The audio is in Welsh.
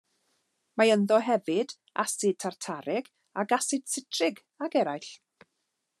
Mae ynddo hefyd asid tartarig ac asid sitrig ac eraill.